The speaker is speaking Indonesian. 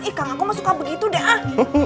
ih kakak gue mah suka begitu deh ah